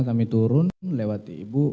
kami turun lewat ibu